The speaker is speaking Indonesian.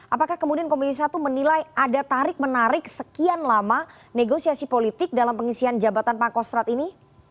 apakah kemudian komisi satu menilai ada tarik menarik sekian lama negosiasi politik dalam pengisian jabatan pak kostrat ini